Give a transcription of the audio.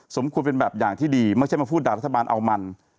สมควรเป็นแบบอย่างที่ดีไม่ใช่มาพูดด่ารัฐบาลเอามัน